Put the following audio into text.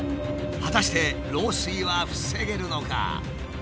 果たして漏水は防げるのか。